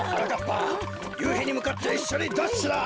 ゆうひにむかっていっしょにダッシュだ。